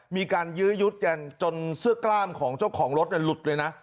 มีการยื้อยุดกันจนเสื้อกล้ามของเจ้าของรถหลุดเลยนะ